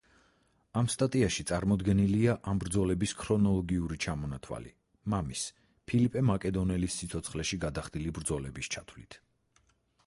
სტატიაში წარმოდგენილია ამ ბრძოლების ქრონოლოგიური ჩამონათვალი, მამის ფილიპე მაკედონელის სიცოცხლეში გადახდილი ბრძოლების ჩათვლით.